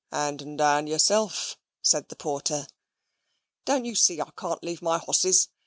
"Hand 'n down yourself," said the porter. "Don't you see I can't leave my hosses?